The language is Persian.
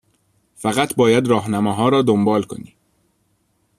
فقط باید راهنماها را دنبال کنی.